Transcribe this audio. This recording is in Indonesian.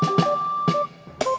saya juga ngantuk